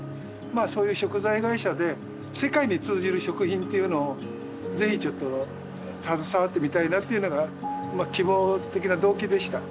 あそういう食材会社で世界に通じる食品っていうのをぜひちょっと携わってみたいなっていうのが希望的な動機でした。